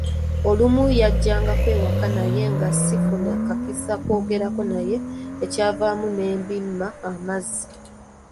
Olumu yajjangako ewaka naye nga sifuna kakisa koogerako naye ekyavaamu ne mbimma amazzi.